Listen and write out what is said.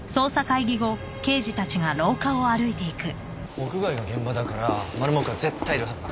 屋外が現場だからマル目は絶対いるはずだ。